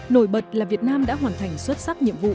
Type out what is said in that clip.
nổi bật là việt nam đã hoàn thành xuất sắc nhiệm vụ